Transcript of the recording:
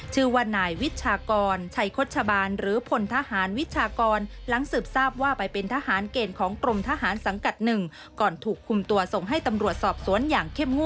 ชื่อว่าหน่ายวิชากรไชโฆษบานหรือ